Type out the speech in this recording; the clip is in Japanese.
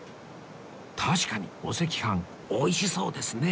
確かにお赤飯美味しそうですね